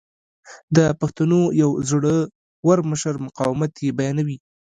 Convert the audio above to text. د پښتنو یو زړه ور مشر مقاومت یې بیانوي.